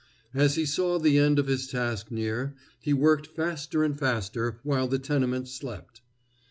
As he saw the end of his task near, he worked faster and faster, while the tenement slept.